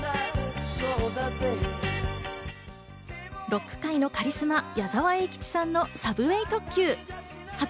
ロック界のカリスマ・矢沢永吉さんの『サブウェイ特急派』。